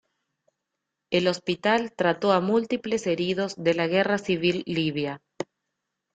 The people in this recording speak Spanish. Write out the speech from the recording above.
El hospital trató a múltiples heridos de la guerra civil libia.